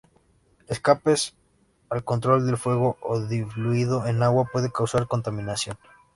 Escapes al control del fuego o diluido en agua puede causar contaminación.